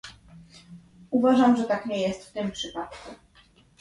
Uważam, że tak nie jest w tym przypadku